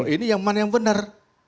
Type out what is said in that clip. ini yang mana yang benar